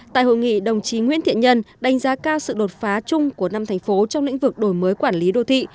tại hội nghị đồng chí nguyễn thiện nhân đánh giá cao sự đột phá chung của năm thành phố trong lĩnh vực đổi mới quản lý đô thị